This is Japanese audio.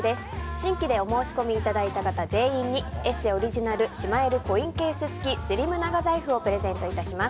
新規でお申し込みいただいた方全員に「ＥＳＳＥ」オリジナルしまえるコインケース付きスリム長財布をプレゼントいたします。